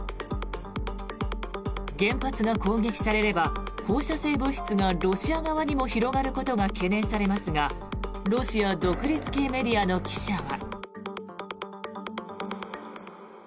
原発が攻撃されれば放射性物質がロシア側にも広がることが懸念されますがロシア独立系メディアの記者は。